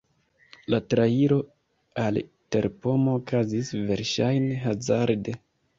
La trairo al terpomo okazis verŝajne hazarde.